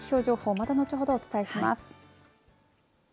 またのちほどお伝えします。